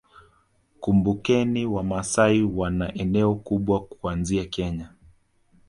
Kumbukeni Wamasai wana eneo kubwa kuanzia Kenya